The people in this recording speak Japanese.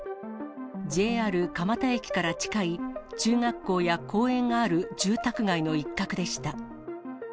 ＪＲ蒲田駅から近い、中学校や公園がある住宅街の一角でした。